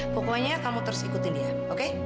pokoknya kamu terus ikutin dia oke